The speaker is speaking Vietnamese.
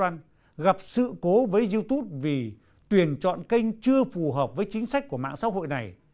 do đó sự việc supremi một công ty có một mươi sáu năm cổ phần của jetone gặp sự cố với youtube vì tuyển chọn kênh chưa phù hợp với chính sách của mạng xã hội này